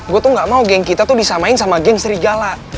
gue tuh gak mau geng kita tuh disamain sama geng serigala